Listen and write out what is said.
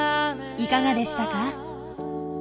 いかがでしたか？